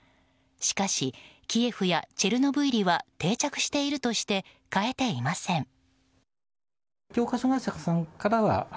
しかしキエフはチェルノブイリは定着しているとして変えていません。